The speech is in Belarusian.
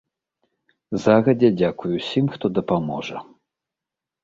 Загадзя дзякуй усім, хто дапаможа.